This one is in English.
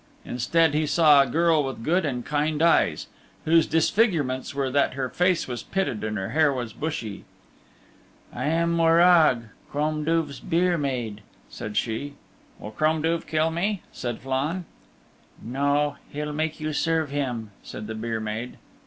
Instead he saw a girl with good and kind eyes, whose disfigurements were that her face was pitted and her hair was bushy. "I am Morag, Crom Duv's byre maid," said she. "Will Crom Duv kill me?" said Flann. "No. He'll make you serve him," said the byre maid.